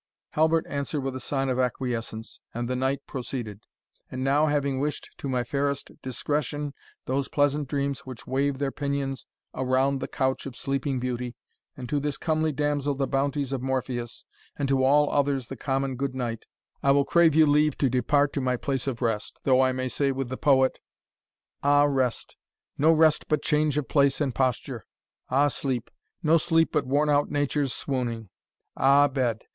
Halbert answered with a sign of acquiescence, and the knight proceeded, "And now, having wished to my fairest Discretion those pleasant dreams which wave their pinions around the couch of sleeping beauty, and to this comely damsel the bounties of Morpheus, and to all others the common good night, I will crave you leave to depart to my place of rest, though I may say with the poet, 'Ah rest! no rest but change of place and posture: Ah sleep! no sleep but worn out Nature's swooning; Ah bed!